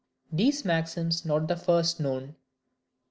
These Maxims not the first known.